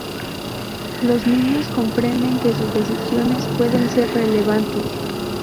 Los niños comprenden que sus decisiones pueden ser relevantes.